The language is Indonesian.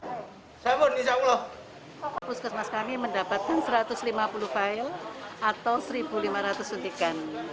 puskesmas kami mendapatkan satu ratus lima puluh fail atau satu lima ratus suntikan